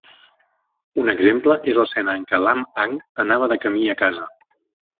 Un exemple és l'escena en què en Lam-ang anava de camí a casa.